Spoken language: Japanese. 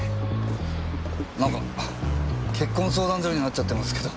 なんか結婚相談所になっちゃってますけど。